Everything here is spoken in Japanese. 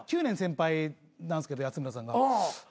９年先輩なんすけど安村さんが。